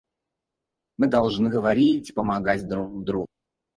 Мы должны говорить и помогать друг другу.